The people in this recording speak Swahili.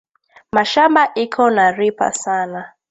Mashamba iko na ripa sana